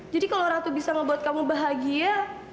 jadi kalau ratu bisa ngebuat kamu bahagia